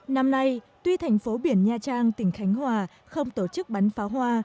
năm nay tuy thành phố biển nha trang tỉnh khánh hòa không tổ chức bắn pháo hoa